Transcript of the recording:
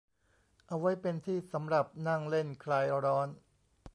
เอาไว้เป็นที่สำหรับนั่งเล่นคลายร้อน